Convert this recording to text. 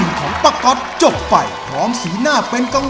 แฟนของเราสิไม่มาหาหลอกให้รอคอยท่าจูบแล้วลาไปเลยนะ